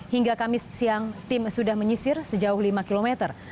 hingga kamis siang tim sudah menyisir sejauh lima kilometer